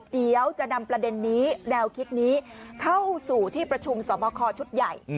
เดี๋ยวจะนำประเด็นนี้แนวคิดนี้เข้าสู่ที่ประชุมสอบคอชุดใหญ่